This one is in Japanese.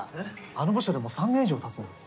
あの部署でもう３年以上たつんだろ？